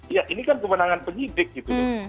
ya ini kan kemenangan penyidik gitu